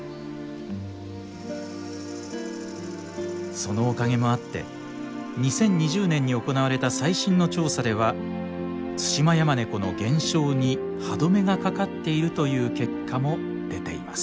そのおかげもあって２０２０年に行われた最新の調査ではツシマヤマネコの減少に歯止めがかかっているという結果も出ています。